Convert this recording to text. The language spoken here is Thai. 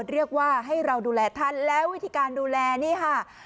เรียกว่าให้เราดูแลท่านแล้ววิธีการดูแลนี่ค่ะ